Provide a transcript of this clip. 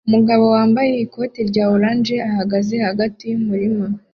Umugabo wambaye ikoti rya orange ahagaze hagati yumurima